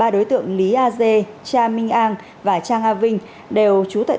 ba đối tượng lý a dê cha minh an và cha nga vinh đều trú tại